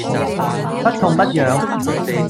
不痛不癢